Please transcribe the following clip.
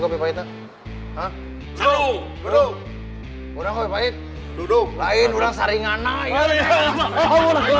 apa itu ha ha ha ha ha hai bro udah ngomong baik duduk lain orang saringan naik